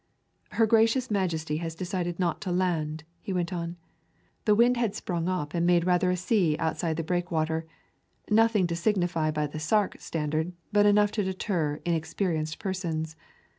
"Her Gracious Majesty has decided not to land," he went on. "The wind has sprung up and made rather a sea outside the breakwater; nothing to signify by the Sark standard, but enough to deter inexperienced persons.